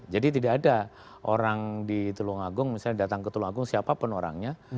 jadi tidak ada orang di tulung agung misalnya datang ke tulung agung siapa pun orangnya